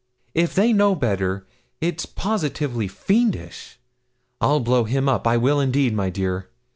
If they know better, it's positively fiendish. I'll blow him up I will indeed, my dear.